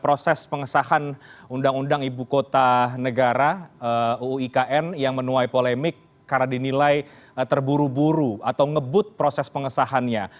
proses pengesahan undang undang ibu kota negara uuikn yang menuai polemik karena dinilai terburu buru atau ngebut proses pengesahannya